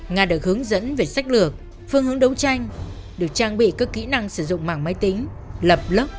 nga được hướng dẫn về sách lược phương hướng đấu tranh được trang bị các kỹ năng sử dụng mạng máy tính lập lớp